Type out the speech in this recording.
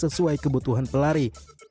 sesuai kebutuhan pelari